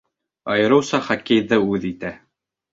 Айырыуса хоккейҙы үҙ итә.